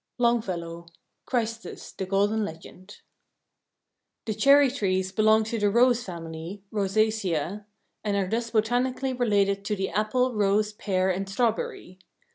—Longfellow: "Christus. The Golden Legend." The cherry trees belong to the Rose family (Rosaceae) and are thus botanically related to the apple, rose, pear and strawberry.